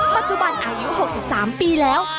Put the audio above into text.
ปัจจุบันอายุ๖๓ปีแล้ว